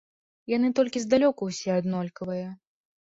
Яны толькі здалёку ўсе аднолькавыя.